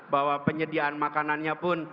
bahwa penyediaan makanannya pun